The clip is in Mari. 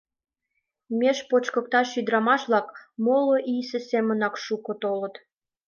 Меж почкыкташ ӱдырамаш-влак моло ийысе семынак шуко толыт.